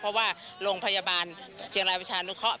เพราะว่าโรงพยาบาลเชียงรายประชานุเคราะห